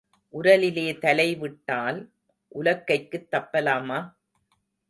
உரலிலே தலை விட்டால் உலக்கைக்குத் தப்பலாமா?